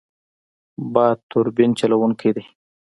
باد توربین چلوونکی دی.